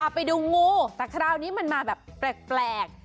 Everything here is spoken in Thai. ไปดูงูแต่คราวนี้มันมาแบบแปลก